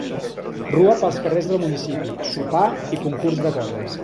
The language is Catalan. Rua pels carrers del municipi, sopar i concurs de colles.